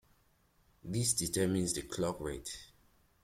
This determines the clock rate.